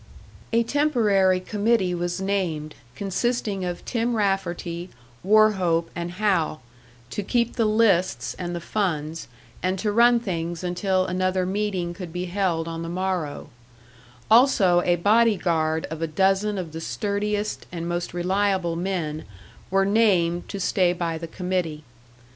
A temporary committee was named, consisting of Tim Rafferty, Wauchope and Hal, to keep the lists and the funds, and to run things until another meeting could be held on the morrow; also a body guard of a dozen of the sturdiest and most reliable men were named to stay by the committee.